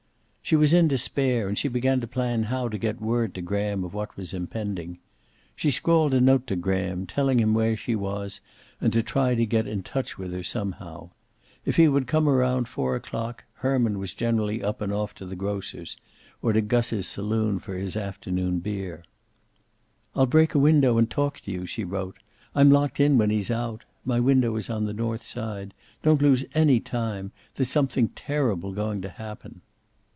She was in despair, and she began to plan how to get word to Graham of what was impending. She scrawled a note to Graham, telling him where she was and to try to get in touch with her somehow. If he would come around four o'clock Herman was generally up and off to the grocer's, or to Gus's saloon for his afternoon beer. "I'll break a window and talk to you," she wrote. "I'm locked in when he's out. My window is on the north side. Don't lose any time. There's something terrible going to happen."